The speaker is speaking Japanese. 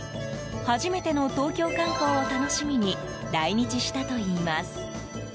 初めての東京観光を楽しみに来日したといいます。